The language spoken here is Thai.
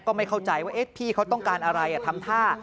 ไม่เข้าใจว่าพี่เขาต้องการอะไรทำท่า